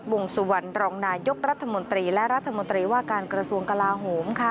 วงสุวรรณรองนายกรัฐมนตรีและรัฐมนตรีว่าการกระทรวงกลาโหมค่ะ